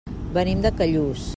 Venim de Callús.